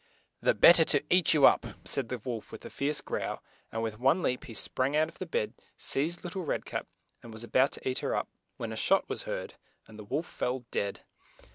"The bet ter to eat you up," said the wolf with a fierce growl, and with one leap, he sprang out of the bed, seized Lit tle Red Cap, and was a bout to eat her up ; when a shot was heard, and the wolf fell dead.